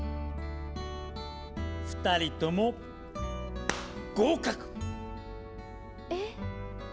２人とも合格！え。